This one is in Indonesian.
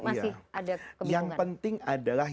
masih ada kebingungan yang penting adalah